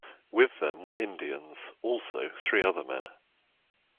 With them were Indians, also three other men.